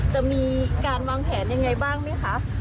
จะมีการวางแผนอย่างไรบ้างนี่คะ